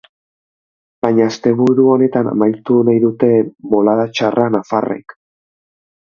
Baina asteburu honetan amaitu nahi dute bolada txarra nafarrek.